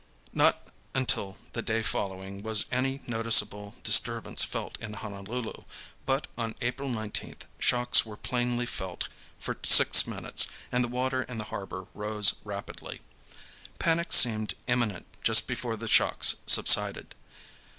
Not until the day following was any noticeable disturbance felt in Honolulu, but on April 19th shocks were plainly felt for six minutes and the water in the harbor rose rapidly. Panic seemed imminent just before the shocks subsided.